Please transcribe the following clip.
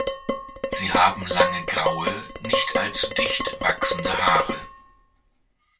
Sie haben lange graue, nicht allzu dicht wachsende Haare.